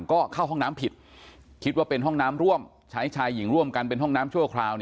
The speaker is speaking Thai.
ก็เข้าห้องน้ำผิดคิดว่าเป็นห้องน้ำร่วมใช้ชายหญิงร่วมกันเป็นห้องน้ำชั่วคราว